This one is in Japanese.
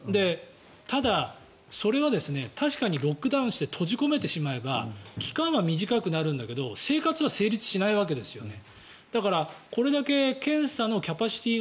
ただ、それは確かにロックダウンして閉じ込めてしまえば期間は短くなるんだけど生活は成立しないわけですよね。